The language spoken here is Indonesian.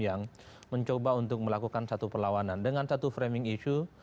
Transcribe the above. yang mencoba untuk melakukan satu perlawanan dengan satu framing issue